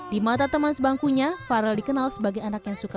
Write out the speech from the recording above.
di mata teman sebangkunya farel dikenal sebagai anak yang suka